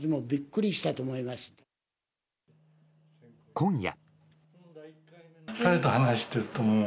今夜。